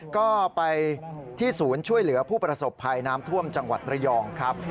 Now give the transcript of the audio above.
ก็ไปที่ศูนย์ช่วยเหลือผู้ประสบภัยน้ำท่วมจังหวัดระยองครับ